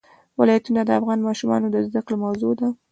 ولایتونه د افغان ماشومانو د زده کړې موضوع ده.